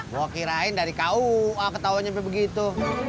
gue kirain dari kau ketawanya sampai begitu